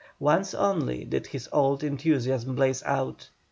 Once only did his old enthusiasm blaze out.